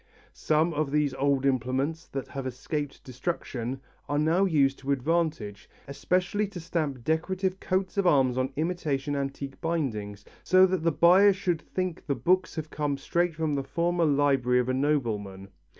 Some of these old implements that have escaped destruction are now used to advantage, especially to stamp decorative coats of arms on imitation antique bindings, so that the buyer should think the books have come straight from the former library of a nobleman.